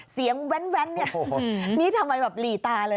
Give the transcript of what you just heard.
เสียงแว๊นนี่ทำไมหลีตาเลย